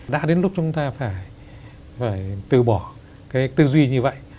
đã đến lúc chúng ta phải từ bỏ cái tư duy như vậy